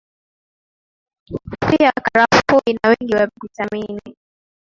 Pia Karafuu ina wingi wa vitamini